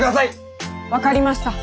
分かりました。